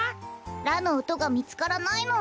ラのおとがみつからないの。